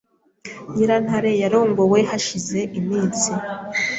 Nyirantare yarongowe Hashize iminsi